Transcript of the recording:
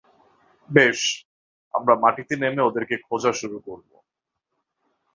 বেশ, আমরা মাটিতে নেমে ওদেরকে খোঁজা শুরু করবো।